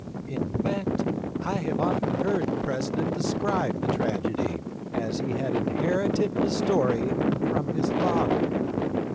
In fact I have often heard the President describe the tragedy as he had inherited the story from his father.